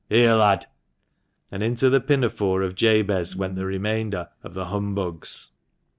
Here, lad," and into the pinafore of Jabez went the remainder of the "humbugs."